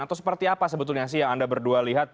atau seperti apa sebetulnya sih yang anda berdua lihat